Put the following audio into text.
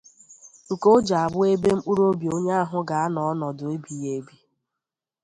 nke o ji abụ ebe mkpụrụobi onye ahụ ga-anọ ọnọdụ ebighị ebi.